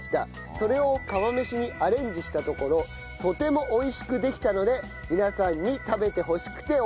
それを釜飯にアレンジしたところとても美味しくできたので皆さんに食べてほしくて応募しました。